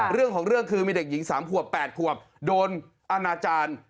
เรื่องของเรื่องคือมีเด็กหญิง๓ขวบ๘ขวบโดนอนาจารย์